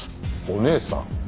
お姉さん？